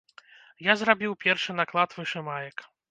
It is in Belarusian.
Я зрабіў першы наклад вышымаек.